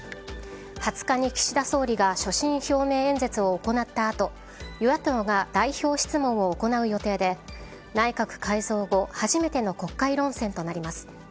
２０日に岸田総理が所信表明演説を行ったあと与野党が代表質問を行う予定で内閣改造後初めての国会論戦となります。